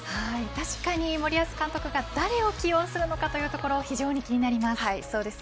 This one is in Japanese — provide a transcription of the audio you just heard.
確かに森保監督が誰を起用するのかというところ非常に気になります。